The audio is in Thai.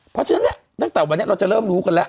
เพราะฉะนั้นเนี่ยตั้งแต่วันนี้เราจะเริ่มรู้กันแล้ว